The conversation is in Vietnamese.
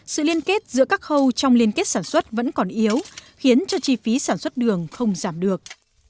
sự liên kết giữa các khâu trong liên kết sản xuất vẫn còn yếu khiến cho chi phí sản xuất đường không giảm được